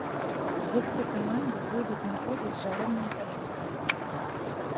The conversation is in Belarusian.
Гульцы каманды выйдуць на поле з жалобнымі павязкамі.